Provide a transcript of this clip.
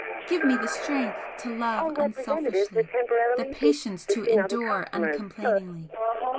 give me the strength to love unselfishly the patience to endure uncomplainingly!